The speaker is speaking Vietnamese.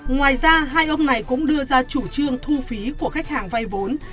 ngoài ra hai ông này cũng đưa ra chủ trương thu phí của khách hàng vay vốn